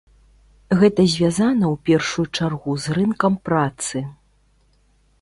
Гэта звязана ў першую чаргу з рынкам працы.